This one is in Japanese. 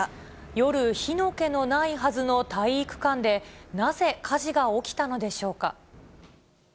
夜、火の気のないはずの体育館で、なぜ火事が起きたのでしょうか。